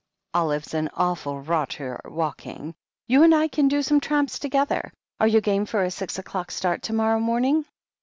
Olive's an awful rotter at walking. You and I can do some tramps together. Are you game for a six o'clock start to morrow morning?"